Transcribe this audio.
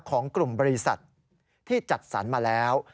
ของกลุ่มบริษัทที่จัดสรรมาแล้ว